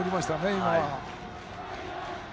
今は。